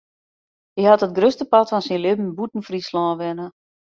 Hy hat it grutste part fan syn libben bûten Fryslân wenne.